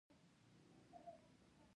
بې فکره ماغزه د قدرت پر چوکۍ نڅېدلي دي.